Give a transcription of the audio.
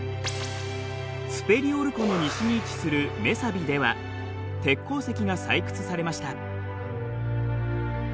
スペリオル湖の西に位置するメサビでは鉄鉱石が採掘されました。